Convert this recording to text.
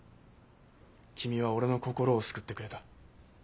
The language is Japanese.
君は俺の心を救ってくれた。